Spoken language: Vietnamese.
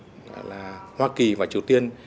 đó là hoa kỳ và triều tiên